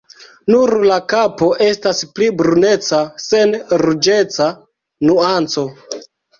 Nur la kapo estas pli bruneca sen ruĝeca nuanco.